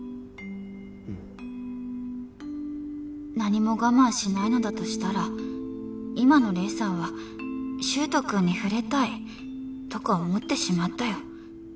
うん何も我慢しないのだとしたら今の黎さんは柊人君に触れたいとか思ってしまったよ